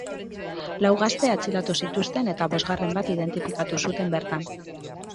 Lau gazte atxilotu zituzten eta bosgarren bat identifikatu zuten bertan.